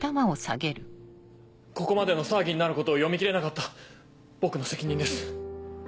ここまでの騒ぎになることを読み切れなかった僕の責任です。